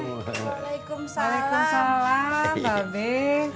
waalaikumsalam waalaikumsalam mbak be